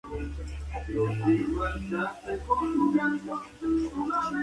De este matrimonio, el Duque no tuvo ningún hijo.